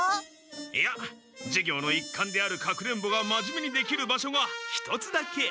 いや授業の一環である隠れんぼが真面目にできる場所が一つだけある。